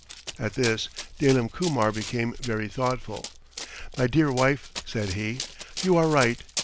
At this Dalim Kumar became very thoughtful. "My dear wife," said he, "you are right.